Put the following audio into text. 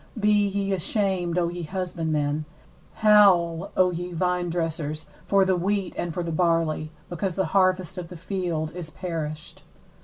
11Be ye ashamed, O ye husbandmen; howl, O ye vinedressers, for the wheat and for the barley; because the harvest of the field is perished.